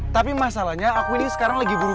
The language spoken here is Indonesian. tapi masalahnya aku ini sekarang lagi buruk